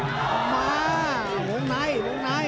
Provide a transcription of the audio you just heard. มาหัวไหนหัวไหน